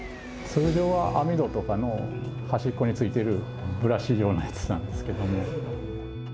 通常は網戸とかの端っこについてるブラシ状のやつなんですけども。